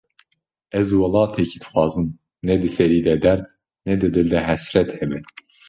Ez welatekî dixwazim, ne di serî de derd, ne di dil de hesret hebe